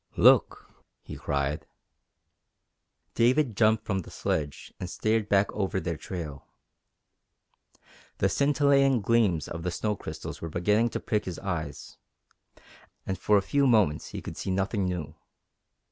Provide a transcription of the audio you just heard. "Look!" he cried. David jumped from the sledge and stared back over their trail. The scintillating gleams of the snow crystals were beginning to prick his eyes, and for a few moments he could see nothing new.